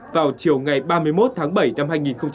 vào chiều ngày ba mươi một tháng bảy năm hai nghìn một mươi sáu